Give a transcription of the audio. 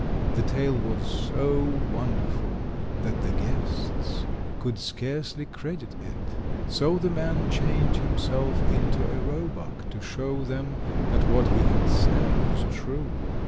The tale was so wonderful that the guests could scarcely credit it, so the man changed himself into a roebuck to show them that what he had said was true.